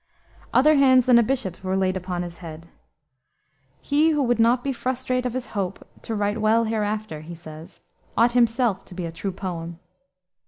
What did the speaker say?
Other hands than a bishop's were laid upon his head. "He who would not be frustrate of his hope to write well hereafter," he says, "ought himself to be a true poem."